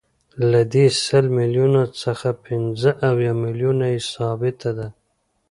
له دې سل میلیونو څخه پنځه اویا میلیونه یې ثابته ده